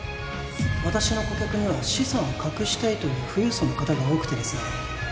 私の顧客には資産を隠したいという富裕層の方が多くてですね